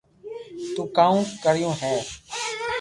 تو ڪاوُ ڪريو ھي